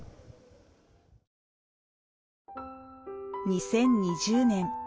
２０２０年。